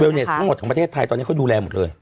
ทั้งหมดของประเทศไทยตอนนี้เขาดูแลหมดเลย